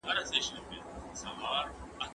که وخت وي، مړۍ خورم؟!